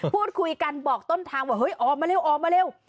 พูดคุยกันบอกต้นทางว่าเฮ้ยออกมาเร็วออกมาเร็ว